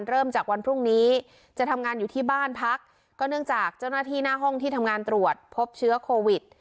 เริ่มจากวันพรุ่งนี้จะทำงานอยู่ที่บ้านพักก็เนื่องจากเจ้าหน้าที่หน้าห้องที่ทำงานตรวจพบเชื้อโควิด